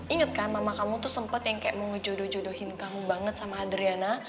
ingat kan mama kamu tuh sempet yang kayak mau ngejodoh jodohin kamu banget sama adriana